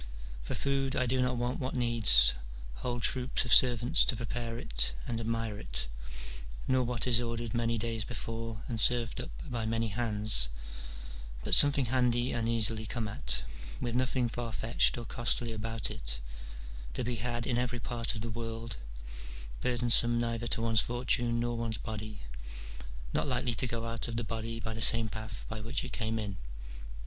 For food I do not want what needs whole troops of servants to prepare it and admire it, nor what is ordered many days before and served up by many hands, but something handy and easily come at, with nothing far fetched or costly about it, to be had in every part of the world, burdensome neither to one's fortune nor one's body, not likely to go out of the body by the same path by which it came in.